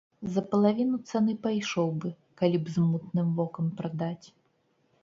За палавіну цаны пайшоў бы, калі б з мутным вокам прадаць.